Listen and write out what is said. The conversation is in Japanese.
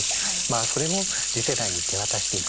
あそれを次世代に手渡していくための